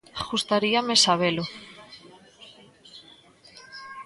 Gustaríame sabelo.